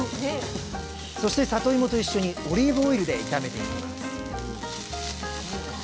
そしてさといもと一緒にオリーブオイルで炒めていきます